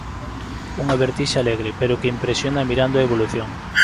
Unha vertixe alegre, pero que impresiona mirando a evolución.